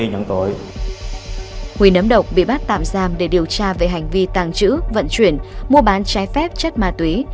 huỳnh ấm độc bị bắt tạm giam để điều tra về hành vi tàng trữ vận chuyển mua bán trái phép chất ma túy